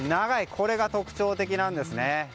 これが特徴的なんですね。